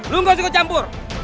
lu gak suka campur